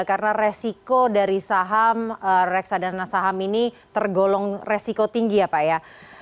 karena resiko dari saham reksadana saham ini tergolong resiko tinggi ya pak ya